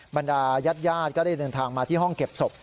บรรดายาดก็ได้เดินทางมาที่ห้องเก็บศพ